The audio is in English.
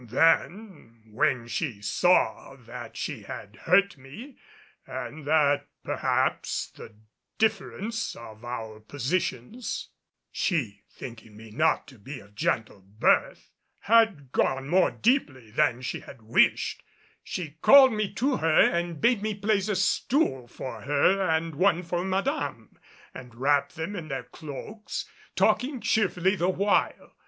Then when she saw that she had hurt me and that perhaps the difference of our positions she thinking me not to be of gentle birth had gone more deeply than she had wished, she called me to her and bade me place a stool for her and one for Madame and wrap them in their cloaks, talking cheerfully the while.